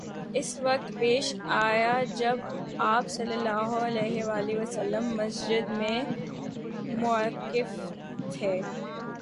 اس وقت پیش آیا جب آپ صلی اللہ علیہ وسلم مسجد میں معتکف تھے